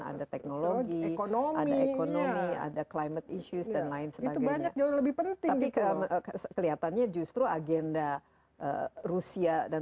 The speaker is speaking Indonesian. ada teknologi ada ekonomi ada climate issues dan lain sebagainya lebih penting tapi kelihatannya justru agenda rusia dan